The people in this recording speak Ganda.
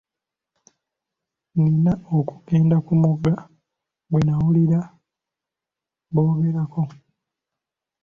Nina okugenda ku mugga gwe nnawulira boogera ko.